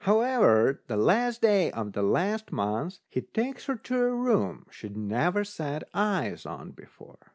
However, the last day of the last month he takes her to a room she'd never set eyes on before.